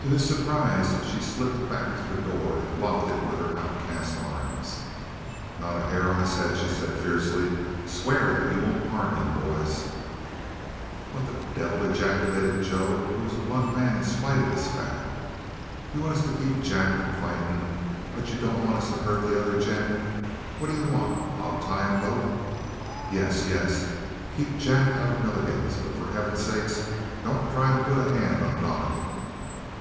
To his surprise, she slipped back to the door and blocked it with her outcast arms. "Not a hair of his head!" she said fiercely. "Swear that you won't harm him, boys!" "What the devil!" ejaculated Joe, who was a blunt man in spite of his fat. "You want us to keep Jack from fightin', but you don't want us to hurt the other gent. What you want? Hogtie 'em both?" "Yes, yes; keep Jack out of Milligan's; but for heaven's sake don't try to put a hand on Donnegan."